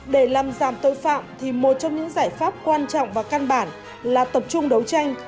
để làm giảm tội phạm thì một trong những giải pháp quan trọng và căn bản là tập trung đấu tranh